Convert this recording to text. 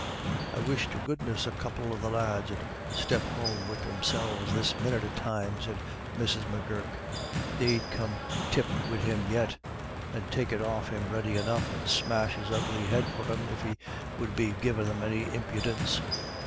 "I wish to goodness a couple of the lads 'ud step home wid themselves this minit of time," said Mrs. M'Gurk. "They'd come tip wid him yet, and take it off of him ready enough. And smash his ugly head for him, if he would be givin' them any impidence."